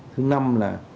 thứ năm là